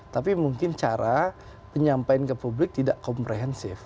tapi mungkin cara penyampaian ke publik tidak komprehensif